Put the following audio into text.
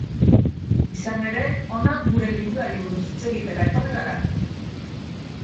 Izan ere, hona gure liburuari buruz hitz egitera etorri gara!